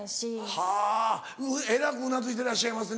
はぁえらくうなずいてらっしゃいますね。